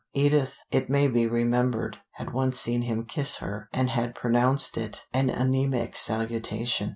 Edith, it may be remembered, had once seen him kiss her, and had pronounced it an anemic salutation.